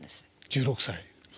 １６歳。